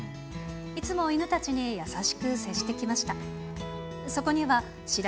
いつも犬たちに優しく接してきました。